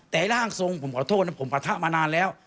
แต่ร่างทรงผมขอโทษนะผมปะทะมานานแล้ว